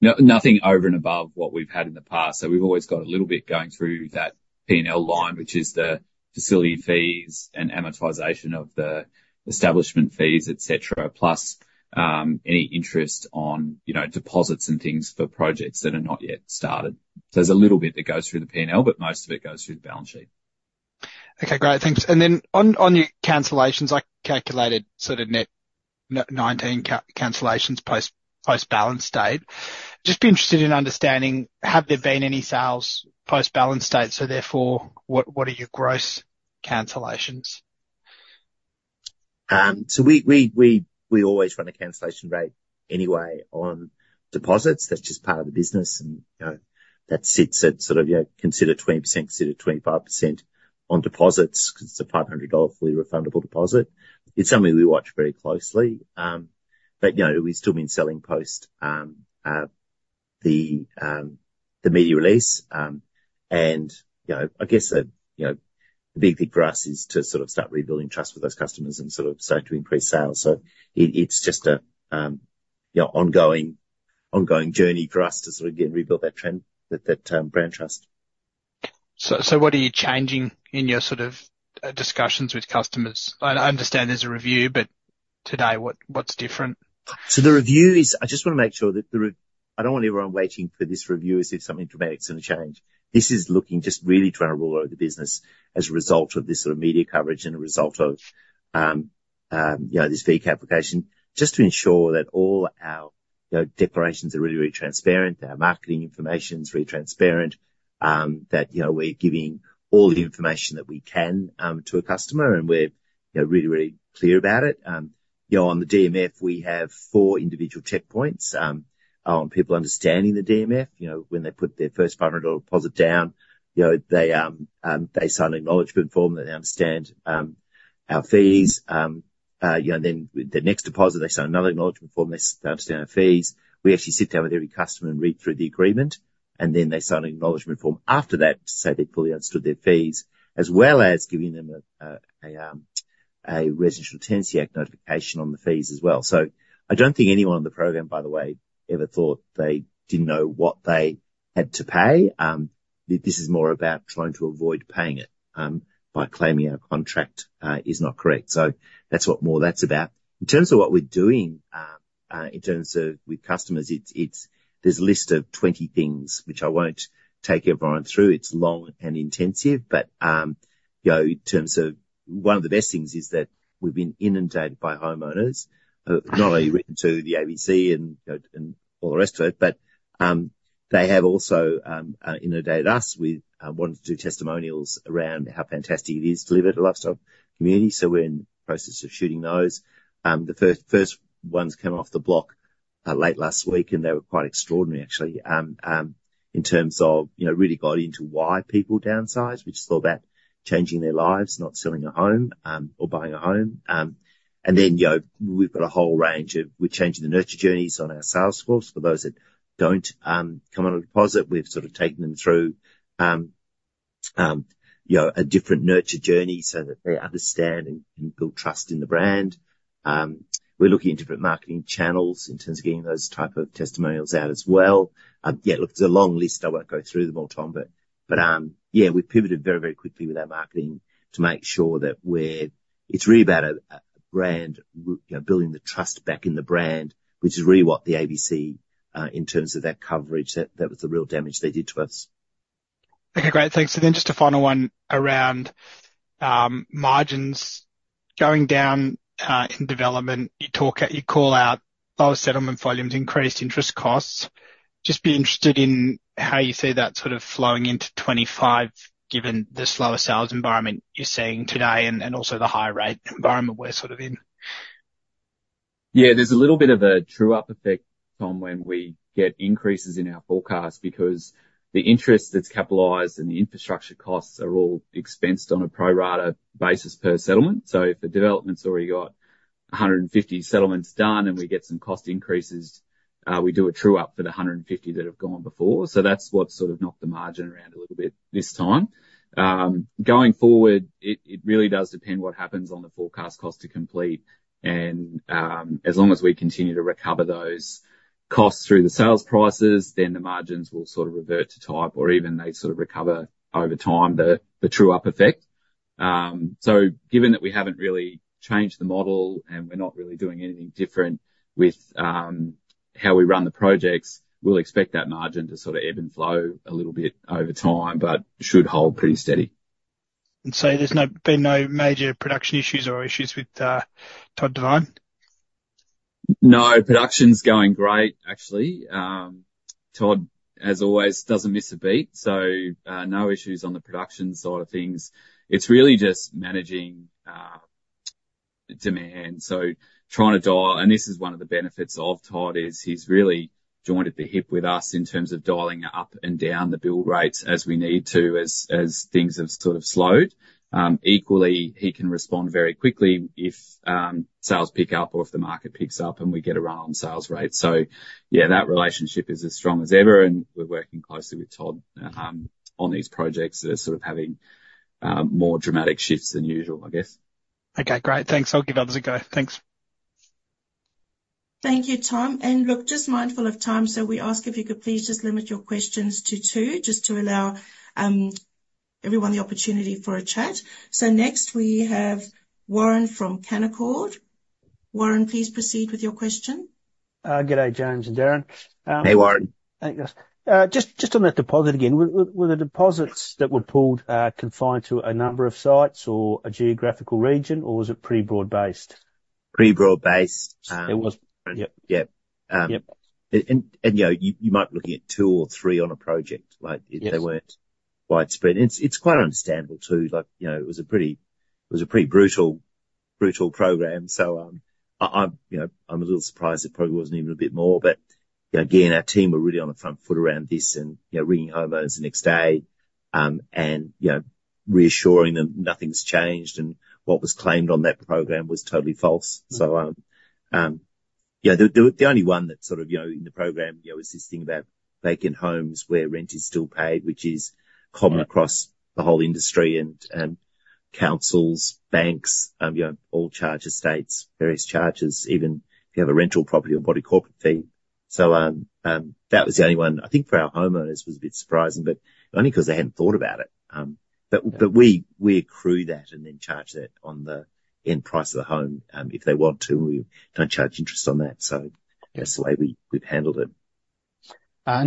No, nothing over and above what we've had in the past. So we've always got a little bit going through that P&L line, which is the facility fees and amortization of the establishment fees, et cetera. Plus, any interest on, you know, deposits and things for projects that are not yet started. There's a little bit that goes through the P&L, but most of it goes through the balance sheet. Okay, great. Thanks. And then on your cancellations, I calculated sort of net 19 cancellations post balance date. Just be interested in understanding, have there been any sales post balance date? So therefore, what are your gross cancellations? So we always run a cancellation rate anyway on deposits. That's just part of the business, and, you know, that sits at sort of, you know, consider 20%, consider 25% on deposits because it's a 500 dollar fully refundable deposit. It's something we watch very closely. But you know, we've still been selling post the media release. And, you know, I guess, the, you know, the big thing for us is to sort of start rebuilding trust with those customers and sort of start to increase sales. So it's just an ongoing journey for us to sort of again, rebuild that trend, that brand trust. So what are you changing in your sort of discussions with customers? I understand there's a review, but today, what, what's different? So the review is, I just want to make sure that I don't want anyone waiting for this review as if something dramatic's going to change. This is looking, just really trying to rule out the business as a result of this sort of media coverage and a result of, you know, this VCAT application, just to ensure that all our, you know, declarations are really, really transparent, our marketing information is really transparent, that, you know, we're giving all the information that we can to a customer, and we're, yeah, really, really clear about it. You know, on the DMF, we have four individual checkpoints on people understanding the DMF. You know, when they put their first 500 dollar deposit down, you know, they sign an acknowledgment form that they understand our fees. Yeah, and then the next deposit, they sign another acknowledgment form, they understand our fees. We actually sit down with every customer and read through the agreement, and then they sign an acknowledgment form after that to say they fully understood their fees, as well as giving them a Residential Tenancies Act notification on the fees as well. So I don't think anyone on the program, by the way, ever thought they didn't know what they had to pay. This is more about trying to avoid paying it by claiming our contract is not correct. So that's what more that's about. In terms of what we're doing, in terms of with customers, it's. There's a list of 20 things which I won't take everyone through. It's long and intensive, but you know, in terms of... One of the best things is that we've been inundated by homeowners, not only written to the ABC and, you know, and all the rest of it, but they have also inundated us with wanting to do testimonials around how fantastic it is to live at a lifestyle community. So we're in the process of shooting those. The first ones came off the block late last week, and they were quite extraordinary, actually, in terms of, you know, really got into why people downsize, which is all about changing their lives, not selling a home or buying a home. And then, you know, we've got a whole range of - we're changing the nurture journeys on our sales force. For those that don't come on a deposit, we've sort of taken them through, you know, a different nurture journey so that they understand and build trust in the brand. We're looking at different marketing channels in terms of getting those type of testimonials out as well. Yeah, look, it's a long list. I won't go through them all, Tom, but yeah, we pivoted very, very quickly with our marketing to make sure that we're - it's really about a brand, you know, building the trust back in the brand, which is really what the ABC in terms of that coverage, that was the real damage they did to us. Okay, great. Thanks. And then just a final one around margins going down in development. You talk, you call out lower settlement volumes, increased interest costs. Just be interested in how you see that sort of flowing into 2025, given the slower sales environment you're seeing today and also the higher rate environment we're sort of in. Yeah, there's a little bit of a true-up effect from when we get increases in our forecast, because the interest that's capitalized and the infrastructure costs are all expensed on a pro rata basis per settlement. So if the development's already got 150 settlements done and we get some cost increases, we do a true-up for the 150 that have gone before. So that's what sort of knocked the margin around a little bit this time. Going forward, it really does depend what happens on the forecast cost to complete. And, as long as we continue to recover those costs through the sales prices, then the margins will sort of revert to type, or even they sort of recover over time, the true-up effect. So, given that we haven't really changed the model and we're not really doing anything different with how we run the projects, we'll expect that margin to sort of ebb and flow a little bit over time, but should hold pretty steady. There's been no major production issues or issues with Todd Devine? No, production's going great, actually. Todd, as always, doesn't miss a beat, so, no issues on the production side of things. It's really just managing, demand. So trying to dial... And this is one of the benefits of Todd, is he's really joined at the hip with us in terms of dialing up and down the build rates as we need to, as, as things have sort of slowed. Equally, he can respond very quickly if, sales pick up or if the market picks up and we get a run on sales rate. So yeah, that relationship is as strong as ever, and we're working closely with Todd, on these projects that are sort of having, more dramatic shifts than usual, I guess. Okay, great. Thanks. I'll give others a go. Thanks. Thank you, Tom. And look, just mindful of time, so we ask if you could please just limit your questions to two, just to allow everyone the opportunity for a chat. So next, we have Warren from Canaccord. Warren, please proceed with your question. Good day, James and Darren. Hey, Warren. Thanks, guys. Just on that deposit again, were the deposits that were pulled confined to a number of sites or a geographical region, or was it pretty broad-based? Pretty broad-based. It was? Yep. Yep. Um. Yep. You know, you might be looking at two or three on a project. Like. Yes They weren't widespread, and it's quite understandable, too. Like, you know, it was a pretty brutal program. So, you know, I'm a little surprised it probably wasn't even a bit more. But, you know, again, our team were really on the front foot around this and, you know, ringing homeowners the next day, and, you know, reassuring them nothing's changed and what was claimed on that program was totally false. Mm. So, yeah, the only one that sort of, you know, in the program, you know, was this thing about vacant homes where rent is still paid, which is common. Right Across the whole industry and councils, banks, you know, all charge us rates, various charges, even if you have a rental property or body corporate fee. So, that was the only one. I think for our homeowners, it was a bit surprising, but only 'cause they hadn't thought about it. But we accrue that and then charge that on the end price of the home, if they want to. We don't charge interest on that. So that's the way we've handled it.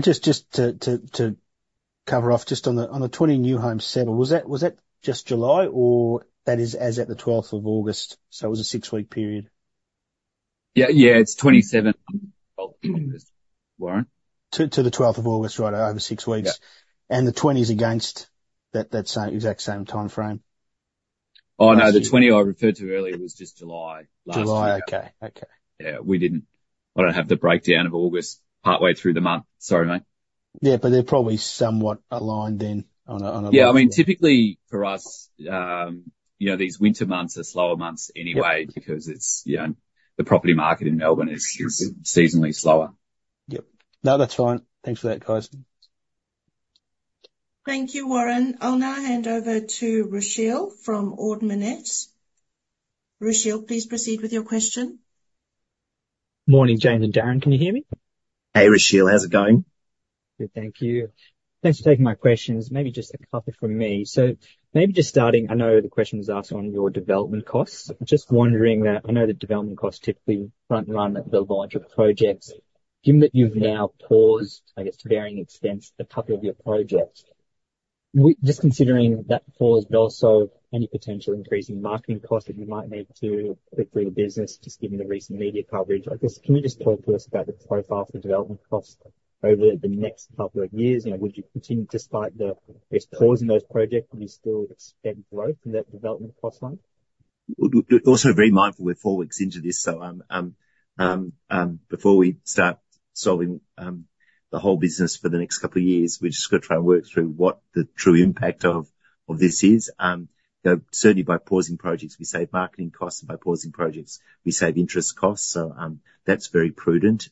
Just to cover off on the 20 new homes settled, was that just July, or that is as at the twelfth of August, so it was a 6-week period? .Yeah, yeah, it's 27, Warren? To the twelfth of August, right, over six weeks. Yeah. The 20 is against that, that same, exact same timeframe? Oh, no, the 20 I referred to earlier was just July last year. July. Okay. Okay. Yeah. I don't have the breakdown of August partway through the month. Sorry, mate. Yeah, but they're probably somewhat aligned then, on a? Yeah, I mean, typically for us, you know, these winter months are slower months anyway. Yep Because it's, you know, the property market in Melbourne is seasonally slower. Yep. No, that's fine. Thanks for that, guys. Thank you, Warren. I'll now hand over to Rushil from Ord Minnett. Rushil, please proceed with your question. Morning, James and Darren. Can you hear me? Hey, Rushil, how's it going? Good, thank you. Thanks for taking my questions. Maybe just a couple from me. So maybe just starting, I know the question was asked on your development costs. Just wondering that, I know the development costs typically front run the larger projects. Given that you've now paused, I guess, to varying extents, a couple of your projects, just considering that pause, but also any potential increase in marketing costs that you might need to do for your business, just given the recent media coverage. I guess, can you just talk to us about the profile for development costs over the next couple of years? You know, would you continue despite the, I guess, pause in those projects, would you still expect growth in that development cost line? We're also very mindful we're four weeks into this, so, before we start solving the whole business for the next couple of years, we've just got to try and work through what the true impact of this is. You know, certainly by pausing projects, we save marketing costs, and by pausing projects, we save interest costs. So, that's very prudent,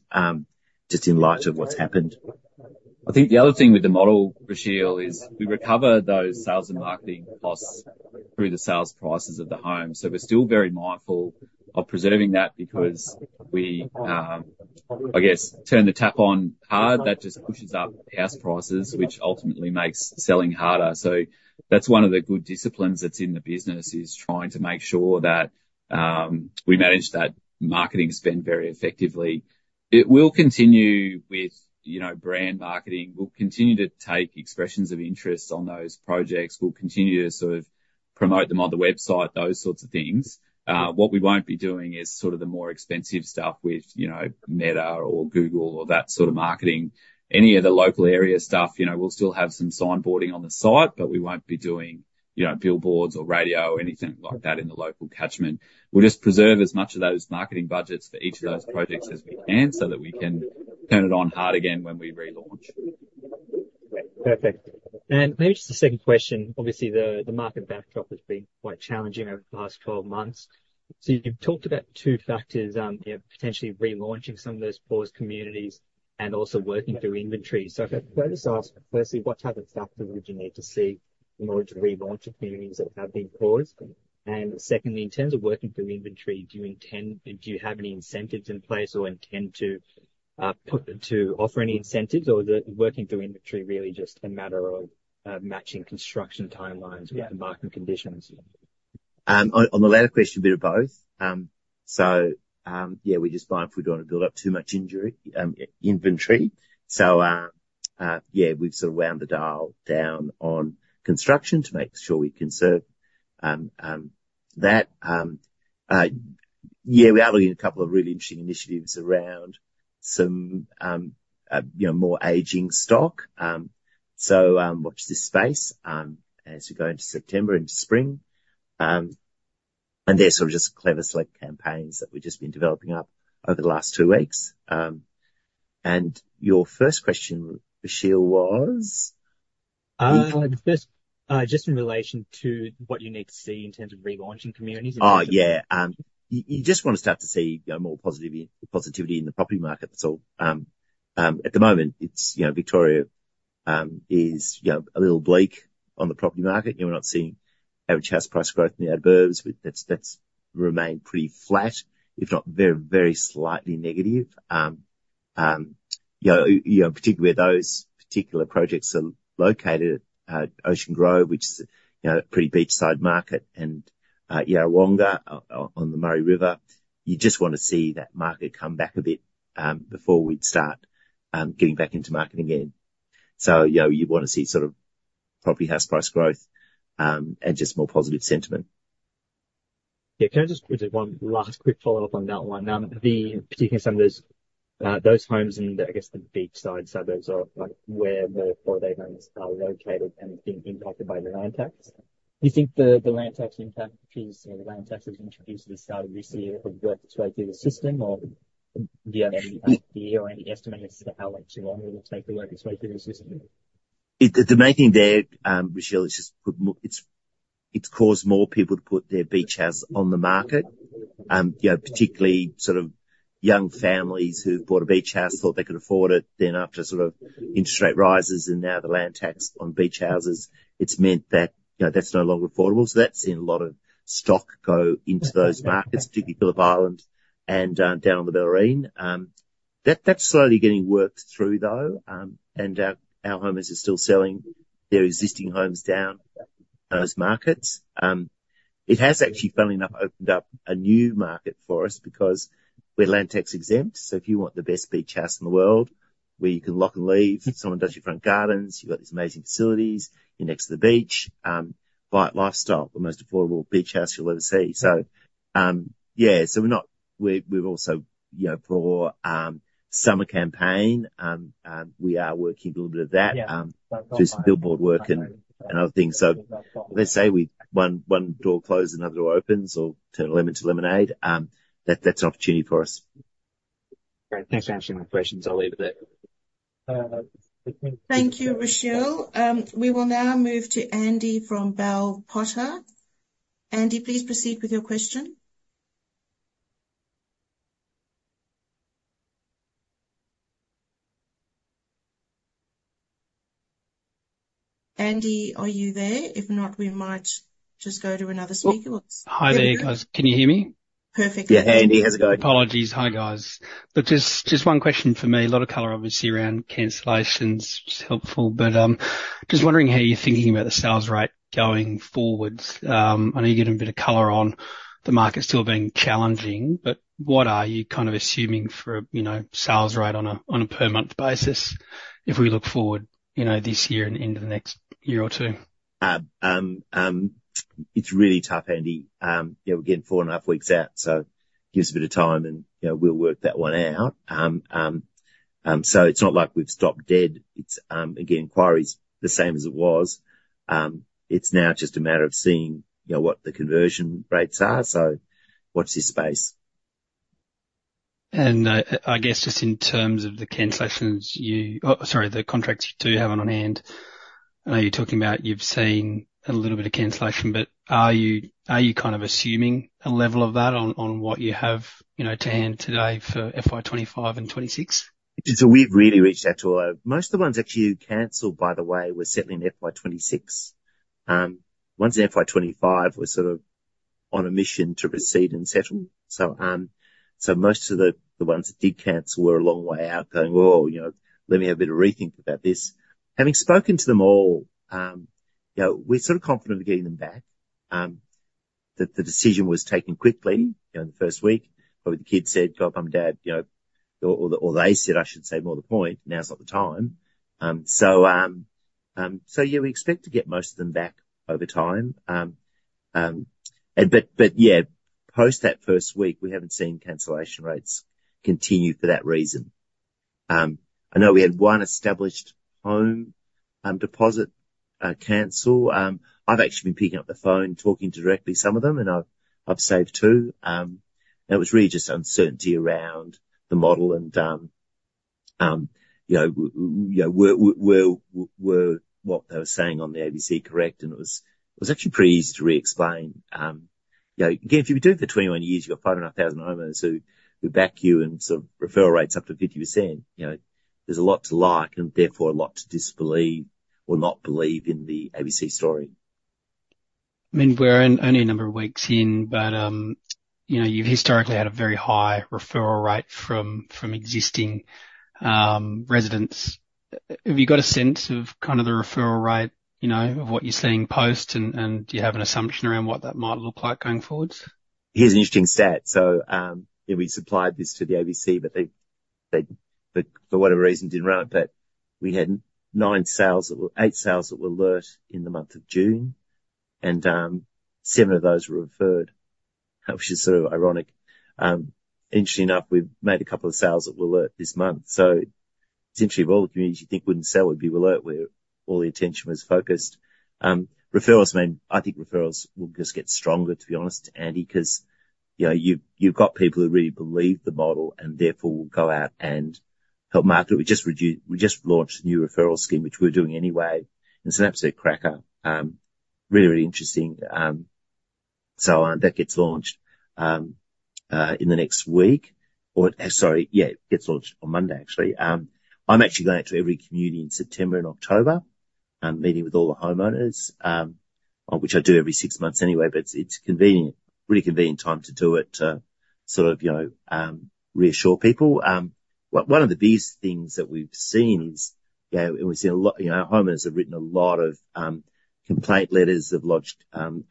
just in light of what's happened. I think the other thing with the model, Rushil, is we recover those sales and marketing costs through the sales prices of the homes. So we're still very mindful of preserving that because we, I guess, turn the tap on hard, that just pushes up the house prices, which ultimately makes selling harder. So that's one of the good disciplines that's in the business, is trying to make sure that we manage that marketing spend very effectively. It will continue with, you know, brand marketing. We'll continue to take expressions of interest on those projects. We'll continue to sort of promote them on the website, those sorts of things. What we won't be doing is sort of the more expensive stuff with, you know, Meta or Google or that sort of marketing. Any of the local area stuff, you know, we'll still have some signboarding on the site, but we won't be doing, you know, billboards or radio or anything like that in the local catchment. We'll just preserve as much of those marketing budgets for each of those projects as we can, so that we can turn it on hard again when we relaunch. Perfect. Maybe just a second question. Obviously, the market backdrop has been quite challenging over the past 12 months. So you've talked about two factors, you know, potentially relaunching some of those paused communities and also working through inventory. So can I just ask, firstly, what type of factors would you need to see in order to relaunch communities that have been paused? And secondly, in terms of working through inventory, do you have any incentives in place or intend to offer any incentives? Or is the working through inventory really just a matter of matching construction timelines. Yeah With the market conditions? On the latter question, a bit of both. So, yeah, we're just buying. We don't want to build up too much inventory. So, yeah, we've sort of wound the dial down on construction to make sure we conserve that. Yeah, we are looking at a couple of really interesting initiatives around some, you know, more aging stock. So, watch this space as we go into September and spring. And they're sort of just clever select campaigns that we've just been developing up over the last two weeks. And your first question, Rushil, was? The first, just in relation to what you need to see in terms of relaunching communities. Oh, yeah. You just want to start to see, you know, more positive, positivity in the property market. That's all. At the moment, it's, you know, Victoria is, you know, a little bleak on the property market. You know, we're not seeing average house price growth in the suburbs. That's remained pretty flat, if not very slightly negative. You know, particularly where those particular projects are located, Ocean Grove, which is a, you know, pretty beachside market, and Yarrawonga, on the Murray River, you just want to see that market come back a bit, before we'd start getting back into marketing again. So, you know, you want to see sort of property house price growth, and just more positive sentiment. Yeah, can I just quickly, one last quick follow-up on that one? Particularly some of those, those homes in the, I guess, the beachside suburbs are like where the holiday homes are located and been impacted by the land tax. Do you think the land tax impact is, you know, the land tax was introduced at the start of this year, it would work its way through the system or do you have any idea or any estimate as to how much longer it will take to work its way through the system? The main thing there, Rushil, is it's caused more people to put their beach house on the market. You know, particularly sort of young families who've bought a beach house, thought they could afford it, then after sort of interest rate rises and now the land tax on beach houses, it's meant that, you know, that's no longer affordable. So that's seen a lot of stock go into those markets, particularly Phillip Island and down on the Bellarine. That's slowly getting worked through, though, and our homeowners are still selling their existing homes down in those markets. It has actually funnily enough opened up a new market for us because we're land tax exempt. So if you want the best beach house in the world, where you can lock and leave, someone does your front gardens, you've got these amazing facilities, you're next to the beach, buy it, Lifestyle, the most affordable beach house you'll ever see. So, yeah, so we're not - we're, we're also, you know, for summer campaign, we are working a little bit of that. Yeah. Just billboard work and other things. So let's say when one door closes, another door opens, or turn a lemon to lemonade, that's an opportunity for us. Great. Thanks for answering my questions. I'll leave it there. Thank you, Rushil. We will now move to Andy from Bell Potter. Andy, please proceed with your question. Andy, are you there? If not, we might just go to another speaker. Hi there, guys. Can you hear me? Perfectly. Yeah, Andy, how's it going? Apologies. Hi, guys. Look, just one question for me. A lot of color, obviously, around cancellations, which is helpful, but just wondering how you're thinking about the sales rate going forward. I know you gave a bit of color on the market still being challenging, but what are you kind of assuming for, you know, sales rate on a per month basis if we look forward, you know, this year and into the next year or two? It's really tough, Andy. Yeah, we're getting 4.5 weeks out, so gives a bit of time and, you know, we'll work that one out. So it's not like we've stopped dead. It's again, inquiries the same as it was. It's now just a matter of seeing, you know, what the conversion rates are, so watch this space. I guess just in terms of the cancellations, you... sorry, the contracts you do have on hand. I know you're talking about you've seen a little bit of cancellation, but are you, are you kind of assuming a level of that on, on what you have, you know, to hand today for FY 2025 and 2026? So we've really reached out to, most of the ones actually who canceled, by the way, were settling FY 2026. Ones in FY 2025 were sort of on a mission to proceed and settle. So most of the ones that did cancel were a long way out, going, "Oh, you know, let me have a bit of rethink about this." Having spoken to them all, you know, we're sort of confident of getting them back. The decision was taken quickly, in the first week. But the kids said, "God, Mum, Dad," you know, or they said, I should say more to the point, "Now's not the time." So yeah, we expect to get most of them back over time. But yeah, post that first week, we haven't seen cancellation rates continue for that reason. I know we had one established home deposit cancel. I've actually been picking up the phone, talking directly to some of them, and I've saved two. It was really just uncertainty around the model and, you know, was what they were saying on the ABC correct, and it was actually pretty easy to re-explain. You know, again, if you do it for 21 years, you've got 5,500 homeowners who would back you and sort of referral rates up to 50%. You know, there's a lot to like, and therefore, a lot to disbelieve or not believe in the ABC story. I mean, we're only a number of weeks in, but, you know, you've historically had a very high referral rate from existing residents. Have you got a sense of kind of the referral rate, you know, of what you're seeing post, and do you have an assumption around what that might look like going forwards? Here's an interesting stat. So we supplied this to the ABC, but they for whatever reason didn't run it, but we had nine sales that were, eight sales that were Wollert in the month of June, and seven of those were referred, which is sort of ironic. Interestingly enough, we've made a couple of sales that were Wollert this month. So essentially, of all the communities you think wouldn't sell would be Wollert, where all the attention was focused. Referrals, I mean, I think referrals will just get stronger, to be honest, Andy, 'cause you know, you've got people who really believe the model and therefore will go out and help market it. We just launched a new referral scheme, which we're doing anyway, and it's an absolute cracker. Really, really interesting. So, that gets launched in the next week, or sorry, yeah, it gets launched on Monday, actually. I'm actually going out to every community in September and October, meeting with all the homeowners, which I do every six months anyway, but it's, it's convenient, really convenient time to do it to sort of, you know, reassure people. One of the biggest things that we've seen is, you know, and we've seen a lot, you know, homeowners have written a lot of complaint letters. They've lodged, you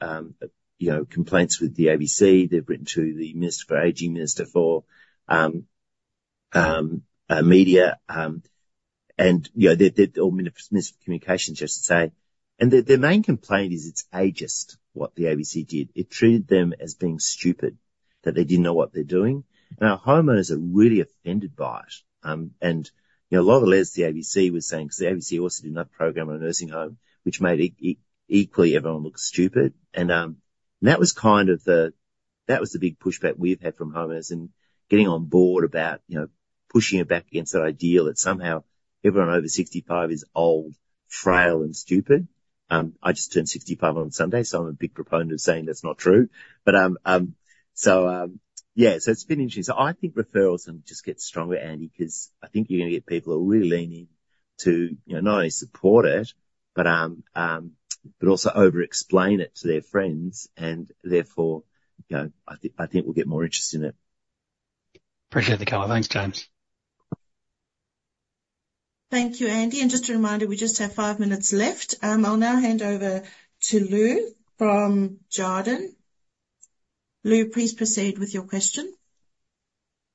know, complaints with the ABC. They've written to the Minister for Ageing, Minister for Media, and, you know, the, the, or Minister for Communications, just to say. And the main complaint is it's ageist, what the ABC did. It treated them as being stupid, that they didn't know what they're doing. And our homeowners are really offended by it. And, you know, a lot of the letters to the ABC was saying... 'cause the ABC also did another program on a nursing home, which made equally everyone look stupid. And, that was kind of the big pushback we've had from homeowners and getting on board about, you know, pushing it back against that idea that somehow everyone over 65 is old, frail, and stupid. I just turned 65 on Sunday, so I'm a big proponent of saying that's not true. But, so, yeah, so it's been interesting. So I think referrals will just get stronger, Andy, 'cause I think you're gonna get people who are really leaning to, you know, not only support it, but also overexplain it to their friends, and therefore, you know, I think, I think we'll get more interest in it. Appreciate the color. Thanks, James. Thank you, Andy. Just a reminder, we just have five minutes left. I'll now hand over to Lou from Jarden. Lou, please proceed with your question.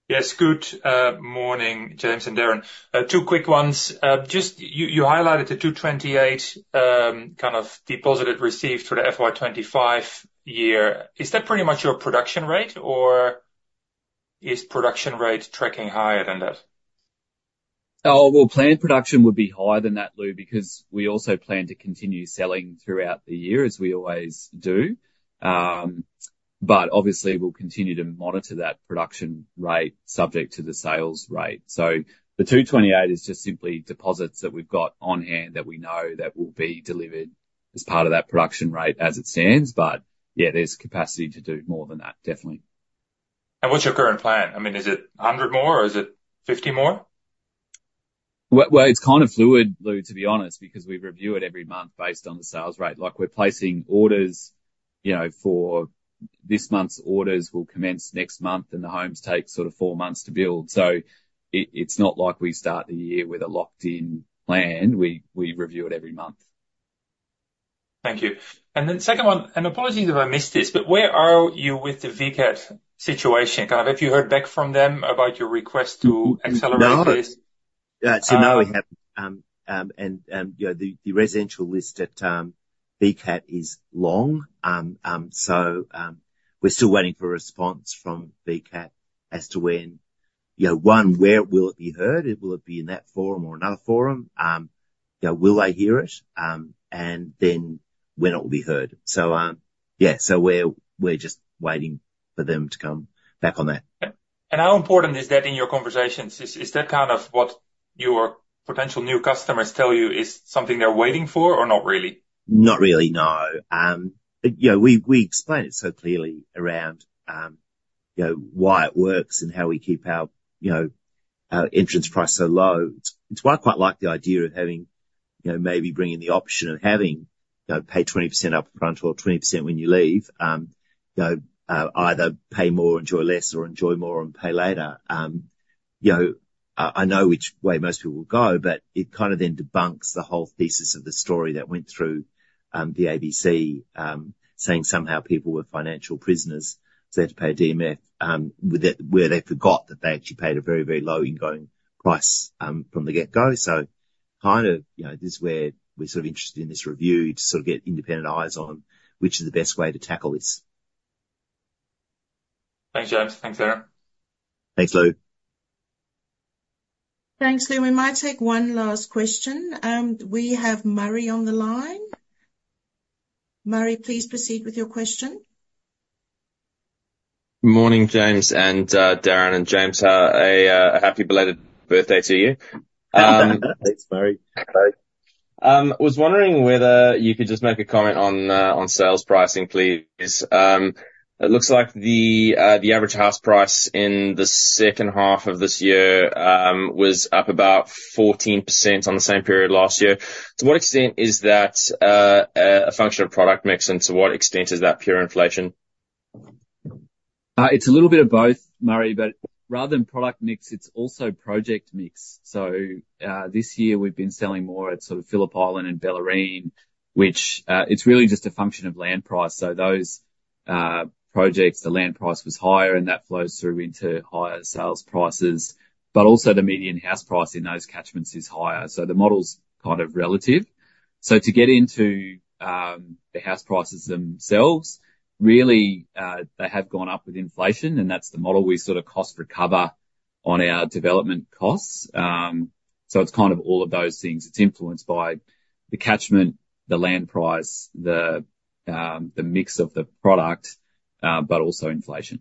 Yes, good morning, James and Darren. Two quick ones. Just you highlighted the 228, kind of deposits received for the FY 2025 year. Is that pretty much your production rate, or is production rate tracking higher than that? Oh, well, planned production would be higher than that, Lou, because we also plan to continue selling throughout the year, as we always do. But obviously, we'll continue to monitor that production rate subject to the sales rate. So the 228 is just simply deposits that we've got on hand that we know that will be delivered as part of that production rate as it stands. But yeah, there's capacity to do more than that, definitely. What's your current plan? I mean, is it 100 more or is it 50 more? Well, well, it's kind of fluid, Lou, to be honest, because we review it every month based on the sales rate. Like, we're placing orders, you know, for this month's orders will commence next month, and the homes take sort of four months to build. So it's not like we start the year with a locked-in plan. We review it every month. Thank you. And then second one, and apologies if I missed this, but where are you with the VCAT situation? Kind of, have you heard back from them about your request to accelerate this? No, so no, we haven't. And, you know, the residential list at VCAT is long. So, we're still waiting for a response from VCAT as to when, you know, one, where will it be heard? Will it be in that forum or another forum? You know, will they hear it? And then when it will be heard. So, yeah, so we're just waiting for them to come back on that. How important is that in your conversations? Is, is that kind of what your potential new customers tell you is something they're waiting for, or not really? Not really, no. You know, we, we explain it so clearly around, you know, why it works and how we keep our, you know, our entrance price so low. It's why I quite like the idea of having, you know, maybe bringing the option of having, you know, pay 20% up front or 20% when you leave. You know, either pay more, enjoy less, or enjoy more and pay later. You know, I, I know which way most people will go, but it kind of then debunks the whole thesis of the story that went through, the ABC, saying somehow people were financial prisoners, so they had to pay a DMF. With that, where they forgot that they actually paid a very, very low ingoing price, from the get-go. So kind of, you know, this is where we're sort of interested in this review to sort of get independent eyes on which is the best way to tackle this. Thanks, James. Thanks, Darren. Thanks, Lou. Thanks, Lou. We might take one last question. We have Murray on the line. Murray, please proceed with your question. Morning, James and Darren, and James, happy belated birthday to you. Thanks, Murray. Was wondering whether you could just make a comment on on sales pricing, please. It looks like the average house price in the second half of this year was up about 14% on the same period last year. To what extent is that a function of product mix, and to what extent is that pure inflation? It's a little bit of both, Murray, but rather than product mix, it's also project mix. So, this year we've been selling more at sort of Phillip Island and Bellarine, which, it's really just a function of land price. So those projects, the land price was higher, and that flows through into higher sales prices. But also the median house price in those catchments is higher, so the model's kind of relative. So to get into the house prices themselves, really, they have gone up with inflation, and that's the model. We sort of cost recover on our development costs. So it's kind of all of those things. It's influenced by the catchment, the land price, the mix of the product, but also inflation.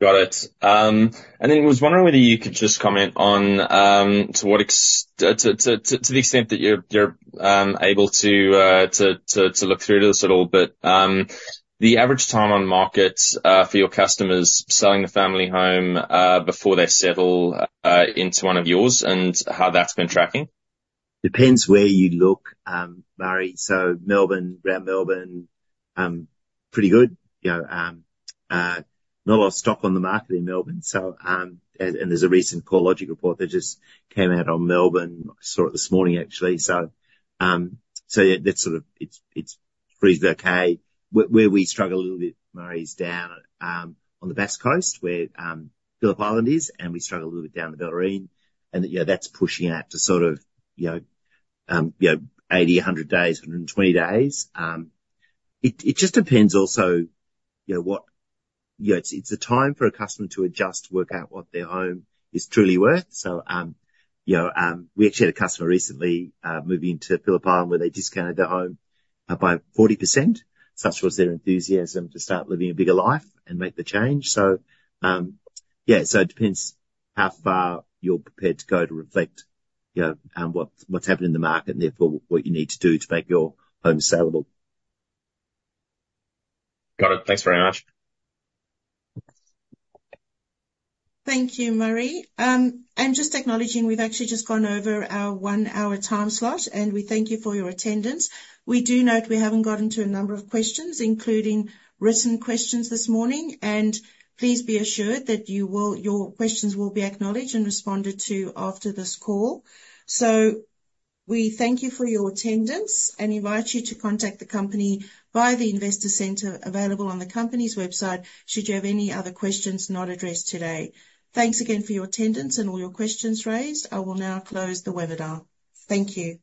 Got it. And then I was wondering whether you could just comment on to what extent you're able to look through this at all, but the average time on market for your customers selling the family home before they settle into one of yours and how that's been tracking? Depends where you look, Murray. So Melbourne, around Melbourne, pretty good. You know, not a lot of stock on the market in Melbourne. So, and there's a recent CoreLogic report that just came out on Melbourne. I saw it this morning, actually. So, so yeah, that's sort of... it's, it's reasonably okay. Where we struggle a little bit, Murray, is down on the Bass Coast, where Phillip Island is, and we struggle a little bit down the Bellarine. And, you know, that's pushing out to sort of, you know, you know, 80, 100 days, 120 days. It just depends also, you know, what... You know, it's, it's a time for a customer to adjust, to work out what their home is truly worth. So, you know, we actually had a customer recently, moving to Phillip Island, where they discounted their home, by 40%, such was their enthusiasm to start living a bigger life and make the change. So, yeah, so it depends how far you're prepared to go to reflect, you know, what's happening in the market and therefore what you need to do to make your home saleable. Got it. Thanks very much. Thank you, Murray. And just acknowledging, we've actually just gone over our 1-hour time slot, and we thank you for your attendance. We do note we haven't gotten to a number of questions, including written questions this morning, and please be assured that you will, your questions will be acknowledged and responded to after this call. So we thank you for your attendance and invite you to contact the company by the Investor Centre available on the company's website, should you have any other questions not addressed today. Thanks again for your attendance and all your questions raised. I will now close the webinar. Thank you.